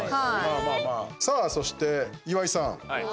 さあ、そして岩井さん。